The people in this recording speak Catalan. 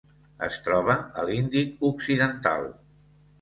Es troba a l'Índic occidental: